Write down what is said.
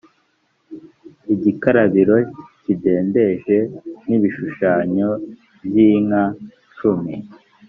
igikarabiro kidendeje n ibishushanyo by inka cumi